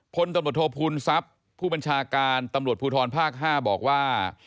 พลตำรวจโทษภูมิทรัพย์ผู้บัญชาการตำรวจภูทรภาค๕บอกว่า